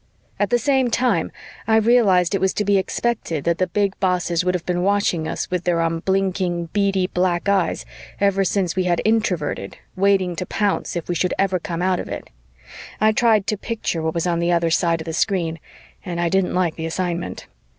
At the same time, I realized it was to be expected that the big bosses would have been watching us with their unblinking beady black eyes ever since we had Introverted waiting to pounce if we should ever come out of it. I tried to picture what was on the other side of the screen and I didn't like the assignment.